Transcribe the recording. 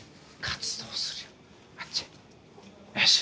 活動するよ。